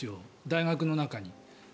大学の中に。